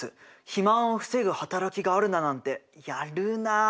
肥満を防ぐ働きがあるだなんてやるなあ。